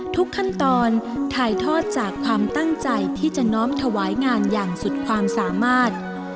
ทุกขั้นตอนถ่ายทอดจากความตั้งใจที่จะน้อมถวายงานอย่างสุดความสามารถ